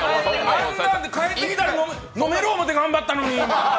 あんなんで、帰ってきたら飲める思って頑張ったのに！